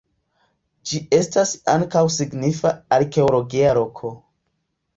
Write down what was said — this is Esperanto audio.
Ĝi estas ankaŭ signifa arkeologia loko.